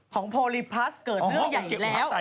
ของโพหลีพัสต์เกิดเรื่องใหญ่แล้ว